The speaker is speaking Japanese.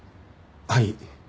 はい。